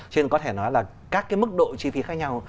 cho nên có thể nói là các cái mức độ chi phí khác nhau